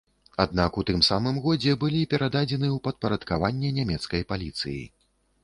Аднак у тым самым годзе былі перададзены ў падпарадкаванне нямецкай паліцыі.